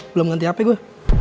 belum nganti hp gue